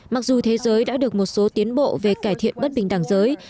mặc dù thế giới đã được một số tiến bộ về cải thiện bất bình đẳng giới